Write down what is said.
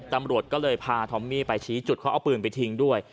ตำรวจก็เลยพาทอมมี่ไปชี้จุดเขาเอาปืนไปทิ้งด้วย